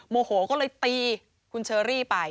โมโหก็เลยตีคุณเชอรี่ไป